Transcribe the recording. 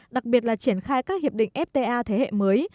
đặc biệt là triển khai các hiệp định fta thế hệ mới